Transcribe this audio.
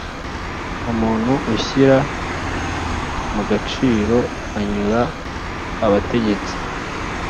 umuntu ushyira mu gaciro anyura abategetsi.